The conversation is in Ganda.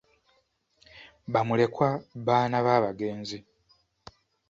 Ba mulekwa baana b'abagenzi.